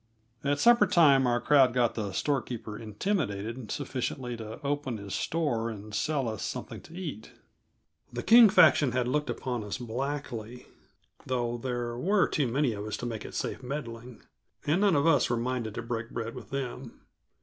At supper time our crowd got the storekeeper intimidated sufficiently to open his store and sell us something to eat. The King faction had looked upon us blackly, though there were too many of us to make it safe meddling, and none of us were minded to break bread with them.